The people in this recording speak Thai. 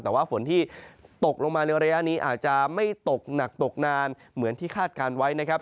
แต่ว่าฝนที่ตกลงมาในระยะนี้อาจจะไม่ตกหนักตกนานเหมือนที่คาดการณ์ไว้นะครับ